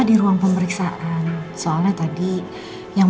atau ada orang lain